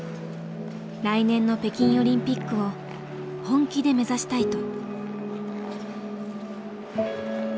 来年の北京オリンピックを本気で目指したいと。